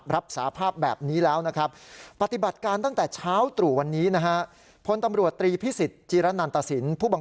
รับสารภาพแบบนี้แล้วนะครับ